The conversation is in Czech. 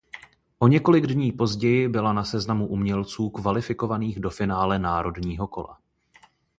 O několik dní později byla na seznamu umělců kvalifikovaných do finále národního kola.